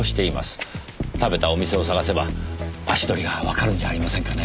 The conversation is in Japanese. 食べたお店を探せば足取りがわかるんじゃありませんかね。